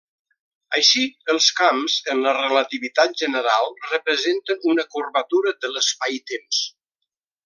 Així, els camps en la relativitat general representen una curvatura de l'espai-temps.